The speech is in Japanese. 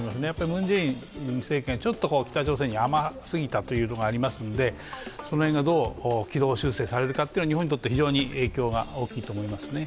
ムン・ジェイン政権は北朝鮮に甘すぎたというのがありますので、その辺がどう軌道修正されるかは日本にとって非常に影響が大きいと思いますね。